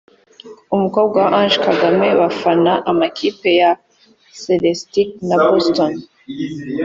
umukobwa we Ange Kagame bafana amakipe ya Celtics na Boston